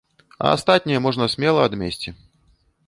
А астатняе можна смела адмесці.